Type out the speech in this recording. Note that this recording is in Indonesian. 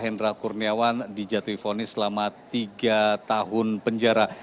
hendra kurniawan dijatuhi vonis selama tiga tahun penjara